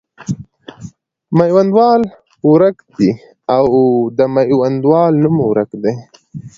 میوندوال ورک دی او د میوندوال نوم ورک دی.